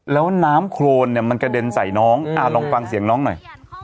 แล้วน้ำโครนเนี่ยมันกระเด็นใส่น้องลองฟังเสียงน้องหน่อย